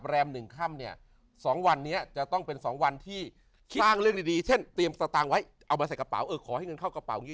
แล้วก็ใส่ไปโกนเข้ามาแล้วใส่กระเป๋า